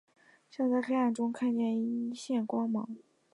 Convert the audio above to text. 像在黑暗中看见一线光芒